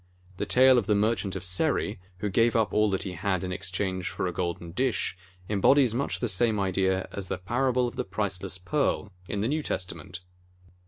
The tale of the Merchant of Seri, who gave up all that he had in exchange for a golden dish, embodies much the same idea as the parable of the priceless Pearl, in the New Testament.